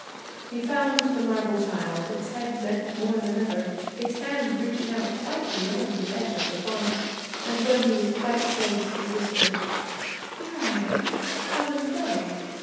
He found the marble child, its head bent more than ever, its hands reaching out quite beyond the edge of the font; and when he was quite close he whispered, 'Here I am. Come and play!'